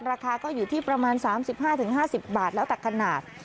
ราคาก็อยู่ที่ประมาณ๓๕๕๐บาทแล้วแต่ขนาด